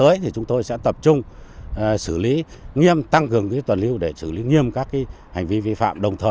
đồng thời chúng tôi sẽ tập trung xử lý nghiêm tăng cường tuần lưu để xử lý nghiêm các hành vi vi phạm